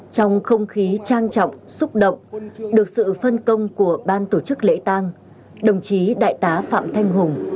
trong không khí trang trọng xúc động được sự phân công của ban tổ chức lễ tang đồng chí đại tá phạm thanh hùng